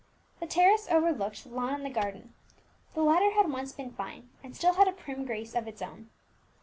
The terrace overlooked the lawn and the garden: the latter had once been fine, and had still a prim grace of its own.